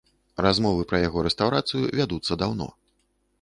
Размовы пра яго рэстаўрацыю вядуцца даўно.